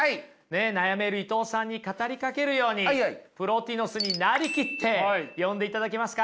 悩める伊藤さんに語りかけるようにプロティノスに成りきって読んでいただけますか。